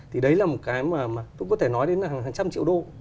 thì đấy là một cái mà tôi có thể nói đến là hàng trăm triệu đô